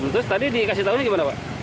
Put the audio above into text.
terus tadi dikasih tahunya gimana pak